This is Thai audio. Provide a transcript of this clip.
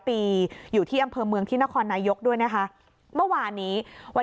ปีอยู่ที่อำเภอเมืองที่นครนายกด้วยนะคะเมื่อวานนี้วัน